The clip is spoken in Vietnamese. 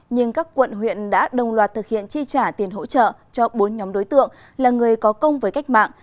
nhưng các quận huyện đã đồng loạt thực hiện chi trả tiền hỗ trợ cho bốn nhóm đối tượng là người có công với cách mạng